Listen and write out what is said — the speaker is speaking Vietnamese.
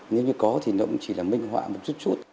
nếu như có thì nó cũng chỉ là minh họa một chút